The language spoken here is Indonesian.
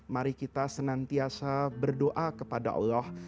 mari kita senantiasa berdoa kepada allah